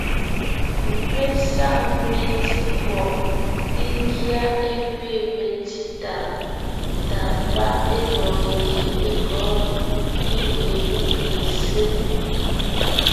Mé saŋ memdí epwɔʼ, ńgyá é gẅiin mentí tàa páʼ é lɔɔn ńgie é kɔ̌g, emie mé zsé.